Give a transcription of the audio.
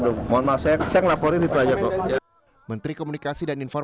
aduh mohon maaf saya ngelaporin itu aja pak